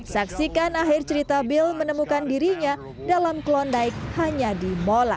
saksikan akhir cerita bill menemukan dirinya dalam klondike hanya di mola